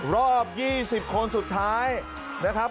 รอบ๒๐คนสุดท้ายนะครับ